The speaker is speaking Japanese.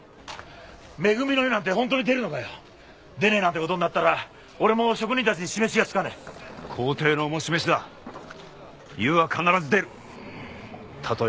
恵みの湯なんてほんとに出るのかよ出ねえなんてことになったら俺も職人たちに示しがつかねえ皇帝のおぼしめしだ湯は必ず出るたとえ